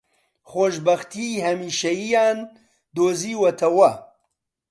خۆشبەختیی هەمیشەییان دۆزیوەتەوە